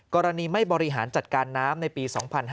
กรณีไม่บริหารจัดการน้ำในปี๒๕๕๙